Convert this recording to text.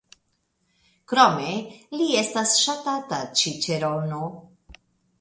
Krome li estas ŝatata ĉiĉerono.